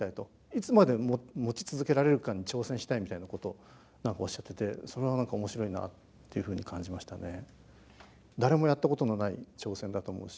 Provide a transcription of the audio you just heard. いつまで持ち続けられるかに挑戦したいみたいなことおっしゃっててそれが何か面白いなっていうふうに感じましたね。